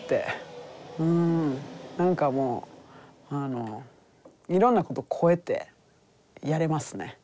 何かもういろんなこと超えてやれますね。